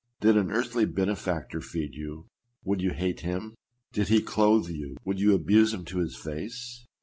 Did an earthly benefactor feed you, would you hate him ? Did he clothe you, would you abuse him to his face